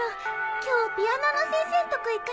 今日ピアノの先生んとこ行かなきゃ。